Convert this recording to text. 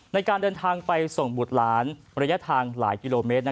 ในการเดินทางไปส่งบูรรณระยะทางหลายกิโลเม